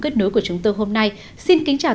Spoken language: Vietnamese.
kết nối của chúng tôi hôm nay xin kính chào